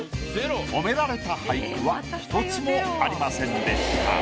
褒められた俳句は一つもありませんでした。